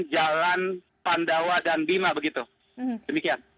jalan pandawa dan bintang